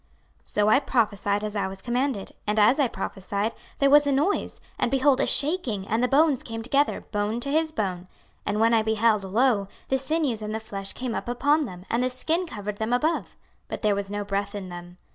26:037:007 So I prophesied as I was commanded: and as I prophesied, there was a noise, and behold a shaking, and the bones came together, bone to his bone. 26:037:008 And when I beheld, lo, the sinews and the flesh came up upon them, and the skin covered them above: but there was no breath in them.